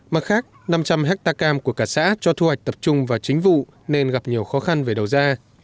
mặt khác năm trăm linh hectare cam của cả xã cho thu hoạch tập trung vào chính vụ nên gặp nhiều khó khăn về đầu ra